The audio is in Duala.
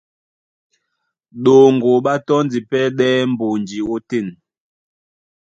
Ɗoŋgo ɓá tɔ́ndi pɛ́ ɗɛ́ mbonji ótên.